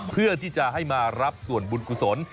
เพื่อที่จะให้มารับส่วนบุญกุศล